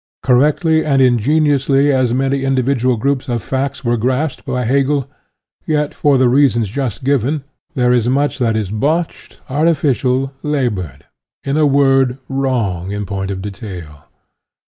Correctly and ingeniously as many indi vidual groups of facts were grasped by Hegel, yet, for the reasons just given, there is much that is botched, artificial, labored, in a word, wrong in point of detail.